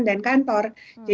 yang sudah mengambil